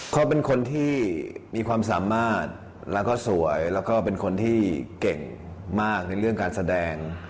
เขาเป็นคนที่มีความสามารถแล้วก็สวยแล้วก็เป็นคนที่เก่งมากในเรื่องการแสดง